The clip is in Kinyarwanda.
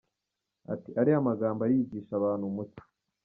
ati, Ariya magambo arigisha abantu umuco.